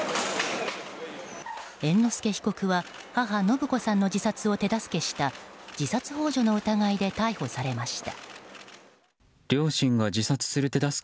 猿之助被告は母・延子さんの自殺を手助けした自殺幇助の疑いで逮捕されました。